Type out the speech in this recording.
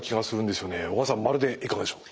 小川さん○でいかがでしょう。